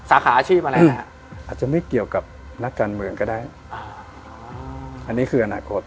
อาจจะไม่เกี่ยวกับนักการเมืองก็ได้อันนี้คืออนาคต